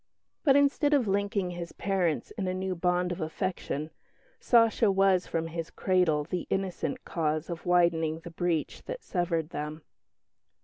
But, instead of linking his parents in a new bond of affection "Sacha" was from his cradle the innocent cause of widening the breach that severed them.